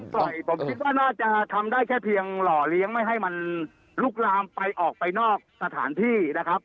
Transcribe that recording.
ปล่อยผมคิดว่าน่าจะทำได้แค่เพียงหล่อเลี้ยงไม่ให้มันลุกลามไปออกไปนอกสถานที่นะครับ